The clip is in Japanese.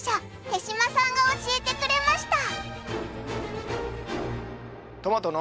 手島さんが教えてくれました。